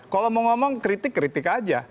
kalau mau ngomong kritik kritik aja